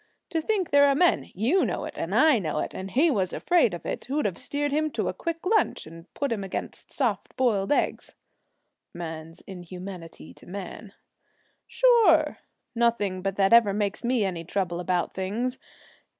To think there are men you know it and I know it and he was afraid of it who'd have steered him to a quick lunch and put him against soft boiled eggs!' '"Man's inhumanity to man"' 'Sure! Nothing but that ever makes me any trouble about things.